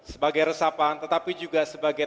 sebagai resapan tetapi juga sebagai